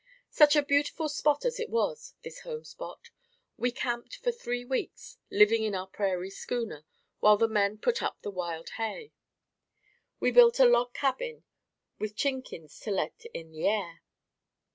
Such a beautiful spot as it was, this home spot! We camped for three weeks, living in our prairie schooner, while the men put up the wild hay. We built a log cabin with "chinkins" to let in the air.